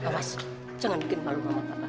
mas jangan bikin malu sama papa